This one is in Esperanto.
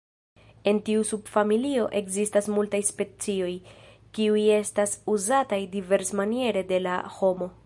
En tiu subfamilio ekzistas multaj specioj, kiuj estas uzataj diversmaniere de la homo.